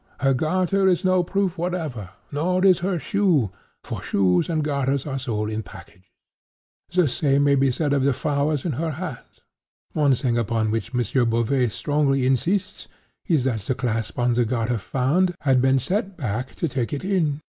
Her garter is no proof whatever—nor is her shoe—for shoes and garters are sold in packages. The same may be said of the flowers in her hat. One thing upon which M. Beauvais strongly insists is, that the clasp on the garter found, had been set back to take it in.